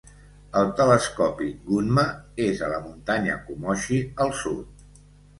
El telescopi Gunma és a la muntanya Komochi al sud.